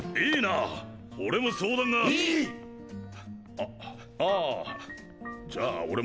あああじゃあ俺もいい。